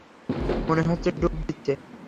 মনে হচ্ছে ডুব দিচ্ছে।